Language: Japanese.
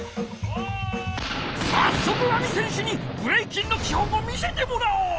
さっそくＡＭＩせんしゅにブレイキンのきほんを見せてもらおう！